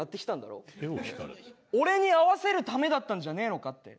俺に会わせるためだったんじゃねえのかって。